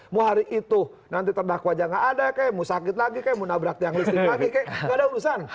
mau hari itu nanti terdakwa aja nggak ada kayak mau sakit lagi kayak mau nabrak tiang listrik lagi kayak gak ada urusan